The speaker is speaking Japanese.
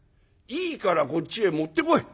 いいからこっちへ持ってこい。